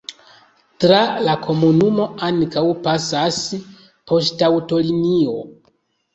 Tra la komunumo ankaŭ pasas poŝtaŭtolinio.